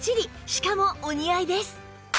しかもお似合いです